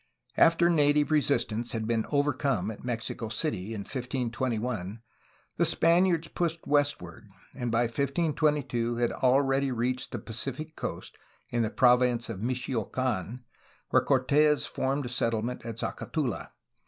After native resistance had been overcome at Mexico City in 1521, the Spaniards pushed westward, and by 1522 had already reached the Pacific coast in the province of Micho acan, where Cortes formed a settlement at Zacatula.